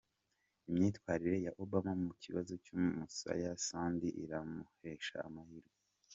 Imyitwarire ya Obama mu kibazo cy’umuyaga Sandi iramuhesha amahirwe